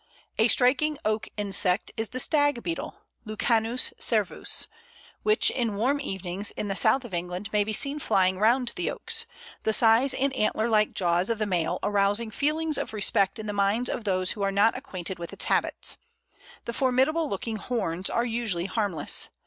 A striking Oak insect is the Stag Beetle (Lucanus cervus), which, in warm evenings in the south of England, may be seen flying round the Oaks, the size and antler like jaws of the male arousing feelings of respect in the minds of those who are not acquainted with its habits. The formidable looking "horns" are usually harmless.